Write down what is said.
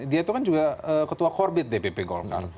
dia itu kan juga ketua korbit dpp golkar